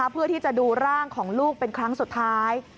เพื่อที่จะดูร่างของลูกเป็นครั้งสุดท้าย